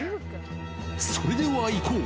それではいこう。